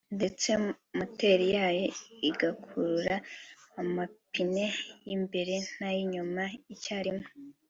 ndetse moteri yayo igakurura amapine y’imbere n’ay’inyuma icya rimwe